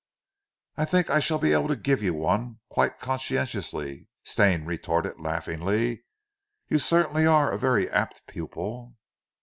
"I think I shall be able to give you one, quite conscientiously," Stane retorted laughingly. "You certainly are a very apt pupil."